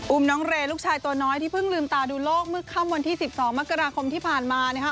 น้องเรย์ลูกชายตัวน้อยที่เพิ่งลืมตาดูโลกเมื่อค่ำวันที่๑๒มกราคมที่ผ่านมานะคะ